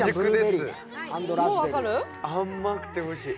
もう、甘くておいしい。